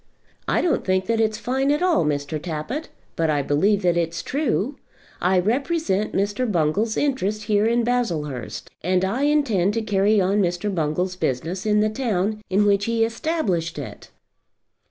"I don't think that it's fine at all, Mr. Tappitt, but I believe that it's true. I represent Mr. Bungall's interest here in Baslehurst, and I intend to carry on Mr. Bungall's business in the town in which he established it."